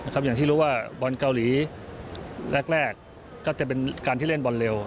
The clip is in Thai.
อย่างที่รู้ว่าบอลเกาหลีแรกก็จะเป็นการที่เล่นบอลเร็ว